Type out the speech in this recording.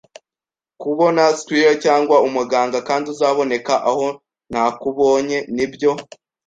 kubona squire cyangwa umuganga, kandi uzaboneka aho nakubonye. Nibyo